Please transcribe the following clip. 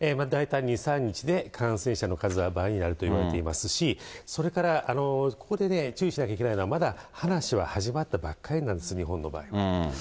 大体２、３日で感染者の数は倍になるといわれていますし、それから、ここでね、注意しなきゃいけないのは、まだ話は始まったばっかりなんです、日本の場合。